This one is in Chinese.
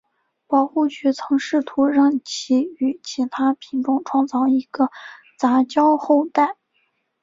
保护局曾试图让其与其它品种创造一个杂交后代。